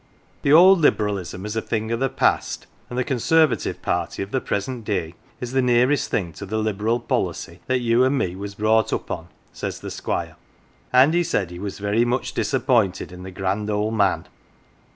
The old Liberalism is a thing of the past, and the Conservative policy of the present day is the nearest thing to the Liberal policy that you and me was brought up on, says the Squire. And he said he was very much disappointed in the Grand Old Man.